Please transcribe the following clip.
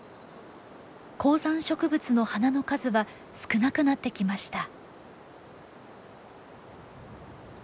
高山植物の花の数は少なくなってきました。